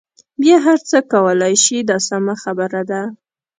بیا هر څه کولای شئ دا سمه خبره ده.